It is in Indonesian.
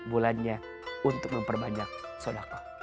bulannya untuk memperbanyak sodako